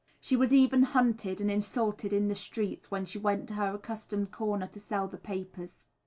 She was even "hunted" and insulted in the streets when she went to her accustomed corner to sell the papers.